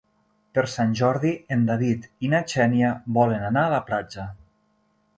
Per Sant Jordi en David i na Xènia volen anar a la platja.